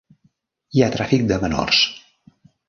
Hi ha tràfic de menors.